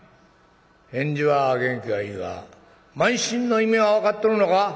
「返事は元気がいいが慢心の意味は分かっとるのか？」。